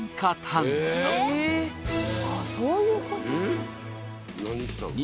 そういうこと。